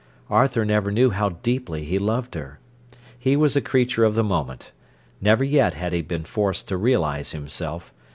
Arthur never knew how deeply he loved her. He was a creature of the moment. Never yet had he been forced to realise himself.